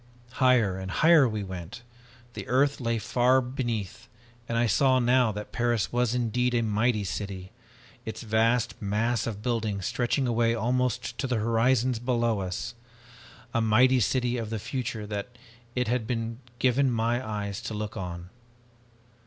"Higher and higher we went. The earth lay far beneath and I saw now that Paris was indeed a mighty city, its vast mass of buildings stretching away almost to the horizons below us. A mighty city of the future that it had been given my eyes to look on!